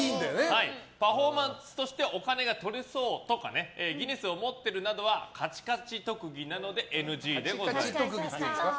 パフォーマンスとしてお金がとれそうとかギネスを持ってるなどはカチカチ特技なのでＮＧでございます。